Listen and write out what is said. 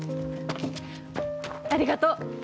ありがとう！